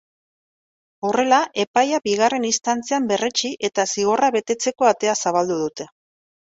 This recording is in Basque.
Horrela, epaia bigarren instantzian berretsi eta zigorra betetzeko atea zabaldu dute.